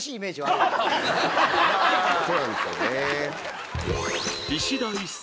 そうなんですよね。